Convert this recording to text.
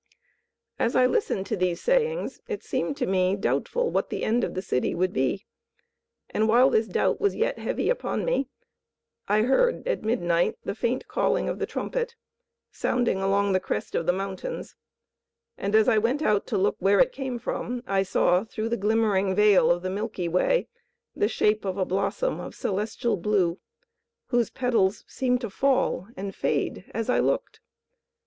As I listened to these sayings it seemed to me doubtful what the end of the city would be. And while this doubt was yet heavy upon me, I heard at midnight the faint calling of the trumpet, sounding along the crest of the mountains: and as I went out to look where it came from, I saw, through the glimmering veil of the milky way, the shape of a blossom of celestial blue, whose petals seemed to fall and fade as I looked.